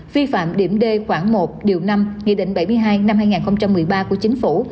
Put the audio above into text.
vi phạm điểm d khoảng một điều năm nghị định bảy mươi hai năm hai nghìn một mươi ba của chính phủ